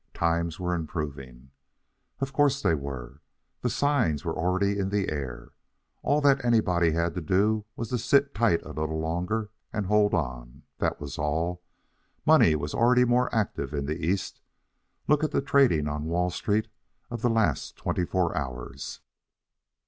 Times were improving. Of course they were. The signs were already in the air. All that anybody had to do was to sit tight a little longer and hold on. That was all. Money was already more active in the East. Look at the trading on Wall Street of the last twenty four hours.